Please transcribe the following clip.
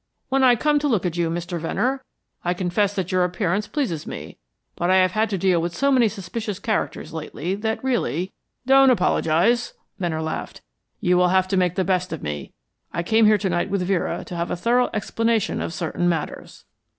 When I come to look at you, Mr. Venner, I confess that your appearance pleases me, but I have had to deal with so many suspicious characters lately that really " "Don't apologise," Venner laughed. "You will have to make the best of me. I came here to night with Vera to have a thorough explanation of certain matters."